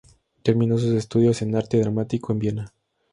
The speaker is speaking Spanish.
Terminó sus estudios en arte dramático en Viena.